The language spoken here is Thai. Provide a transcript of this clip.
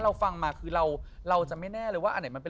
อย่างนั้นไปกัน